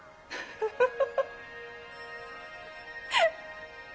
フフフフ。